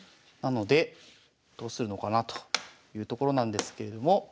なのでどうするのかなというところなんですけれども。